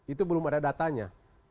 itu belum ada datanya